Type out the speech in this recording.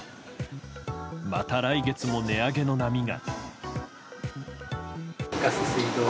また来月も値上げの波が。